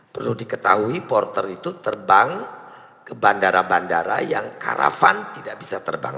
perlu diketahui porter itu terbang ke bandara bandara yang karavan tidak bisa terbang